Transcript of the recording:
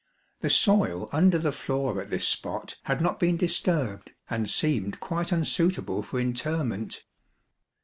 The soil und'et 1 the floor at this spot had not been disturbed, and seemed quite unsuitable for interment.